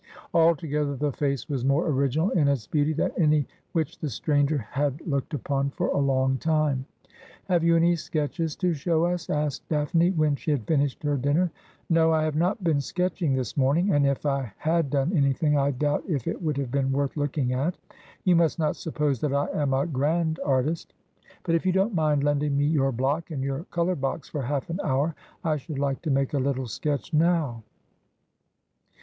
Altogether the face was more original in its beauty than any which the stranger had looked upon for a long time. ' Have you any sketches to show us ?' asked Daphne when she had finished her dinner. ' No ; I have not been sketching this morning ; and it' I had done anything I doubt if it would have been worth looking at. You must not suppose that I am a grand artist. But if you 14 Asphodel. don't mind lending me your block and your colour box for half an hour I should like to make a little sketch now.'